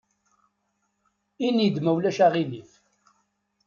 Ini-d ma ulac aɣilif.